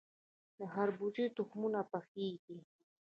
د خربوزې تخمونه پخیږي.